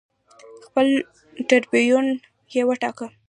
خپل ټربیون یې وټاکه